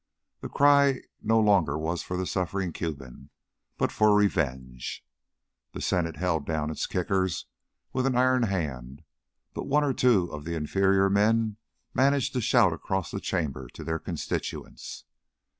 The cry no longer was for the suffering Cuban, but for revenge. The Senate held down its "kickers" with an iron hand, but one or two of the inferior men managed to shout across the Chamber to their constituents.